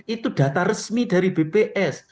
itu data resmi dari bps